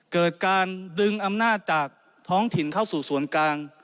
เกิดการดึงอำนาจจากท้องถิ่นเข้าสู่ส่วนกลาง